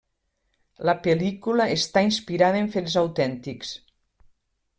La pel·lícula està inspirada en fets autèntics.